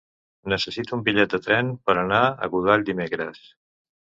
Necessito un bitllet de tren per anar a Godall dimecres.